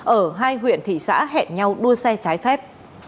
ở hai huyện thị xã hẹn nhau đua xe trái phép